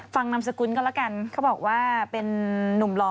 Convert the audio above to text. นามสกุลก็แล้วกันเขาบอกว่าเป็นนุ่มหล่อ